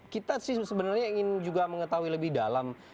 kita sih sebenarnya ingin juga mengetahui lebih dalam